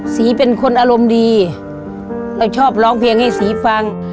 ศรีเป็นคนอารมณ์ดีเราชอบร้องเพลงให้ศรีฟัง